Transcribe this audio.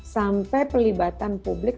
sampai pelibatan publik